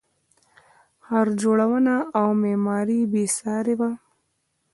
ښار جوړونه او معمارۍ بې ساري وه